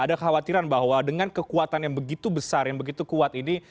ada khawatiran bahwa dengan kekuatan yang begitu besar yang begitu kuat ini